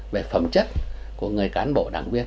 về phẩm chất của người cán bộ đảng viên